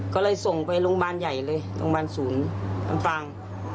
ก็เลยส่งไปโรงพยาบาลใหญ่เลยโรงพยาบาลศูนย์ลำปาง